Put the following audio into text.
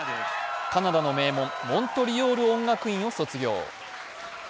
カナダの名門モントリオール音楽院を卒業。